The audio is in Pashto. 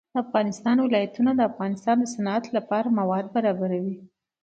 د افغانستان ولايتونه د افغانستان د صنعت لپاره مواد برابروي.